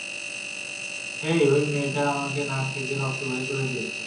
হেই, ঐ মেয়েটা আমার নাক থেকে রক্ত বের করে দিয়েছে।